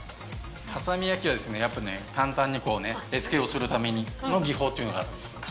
波佐見焼はやっぱね簡単に絵付けをするための技法っていうのがあるんですよ。